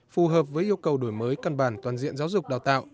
phù hợp với yêu cầu đổi mới căn bản toàn diện giáo dục đào tạo